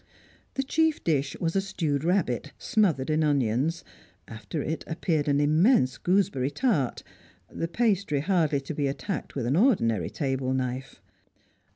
The chief dish was a stewed rabbit, smothered in onions; after it appeared an immense gooseberry tart, the pastry hardly to be attacked with an ordinary table knife.